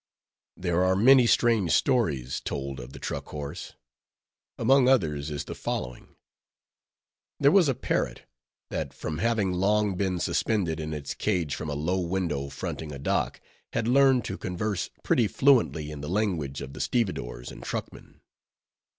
There are many strange stories told of the truck horse. Among others is the following: There was a parrot, that from having long been suspended in its cage from a low window fronting a dock, had learned to converse pretty fluently in the language of the stevedores and truckmen.